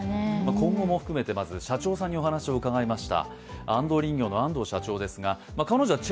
今後も含めて、社長さんにお話を伺いました。